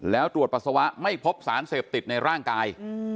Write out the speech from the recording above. แล้วตรวจปัสสาวะไม่พบสารเสพติดในร่างกาย